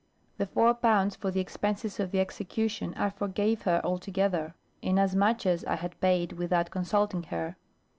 The 4*l.* for the expenses of the execution I forgave her altogether; inasmuch as I had paid without consulting her.